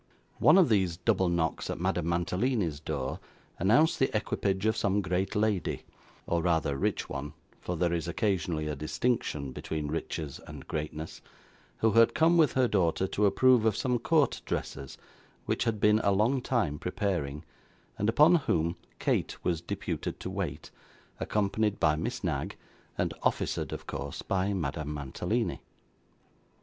One of these double knocks at Madame Mantalini's door, announced the equipage of some great lady or rather rich one, for there is occasionally a distinction between riches and greatness who had come with her daughter to approve of some court dresses which had been a long time preparing, and upon whom Kate was deputed to wait, accompanied by Miss Knag, and officered of course by Madame Mantalini.